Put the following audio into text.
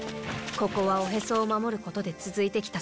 ここはおへそを守ることで続いてきた里。